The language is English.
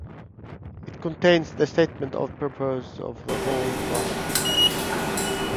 It contains the statement of purpose for the whole gospel.